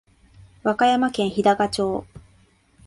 和歌山県日高町